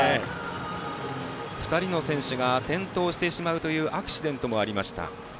２人の選手が転倒してしまうというアクシデントもありました。